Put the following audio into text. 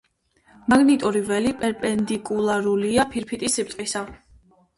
მაგნიტური ველი პერპენდიკულარულია ფირფიტის სიბრტყისა.